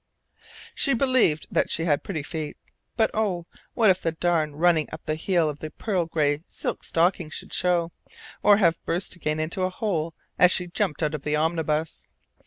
She believed that she had pretty feet. But oh! what if the darn running up the heel of the pearl gray silk stocking should show, or have burst again into a hole as she jumped out of the omnibus?